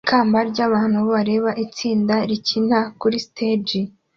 Ikamba ryabantu bareba itsinda rikina kuri stage